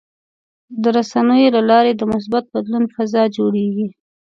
د رسنیو له لارې د مثبت بدلون فضا جوړېږي.